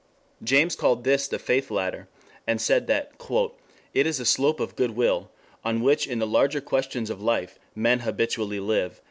James called this the faith ladder, and said that "it is a slope of goodwill on which in the larger questions of life men habitually live."